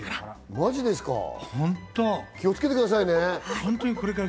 マジですか、気をつけてくださいね！